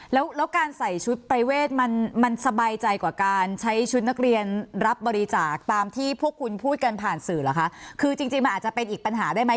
แล้วแล้วการใส่ชุดประเวทมันมันสบายใจกว่าการใช้ชุดนักเรียนรับบริจาคตามที่พวกคุณพูดกันผ่านสื่อเหรอคะคือจริงจริงมันอาจจะเป็นอีกปัญหาได้ไหม